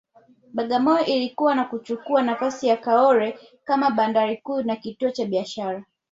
Bagamoyo ilikua na kuchukua nafasi ya Kaole kama bandari kuu na kituo cha biashara